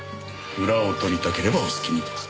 裏を取りたければお好きにどうぞ。